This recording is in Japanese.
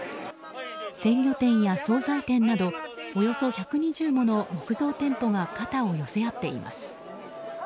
鮮魚店や総菜店などおよそ１２０もの木造店舗が肩を寄せ合っています。